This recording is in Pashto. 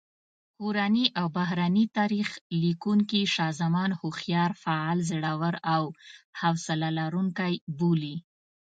کورني او بهرني تاریخ لیکونکي شاه زمان هوښیار، فعال، زړور او حوصله لرونکی بولي.